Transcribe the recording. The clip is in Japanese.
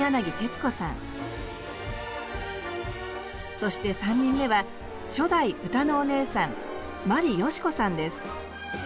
そして３人目は初代歌のお姉さん眞理ヨシコさんです。